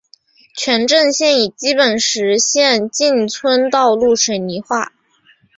全镇现已基本实现进村道路水泥化。